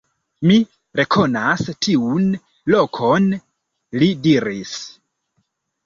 Mi rekonas tiun lokon, li diris.